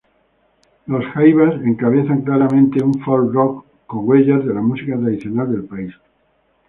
Los Jaivas encabezan claramente un "folk-rock", con huellas de la música tradicional del país.